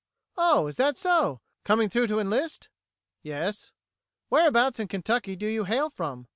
"Oh, is that so? Coming through to enlist?" "Yes." "Whereabouts in Kentucky do you hail from?"